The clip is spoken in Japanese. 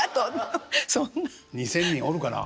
２，０００人おるかなあ？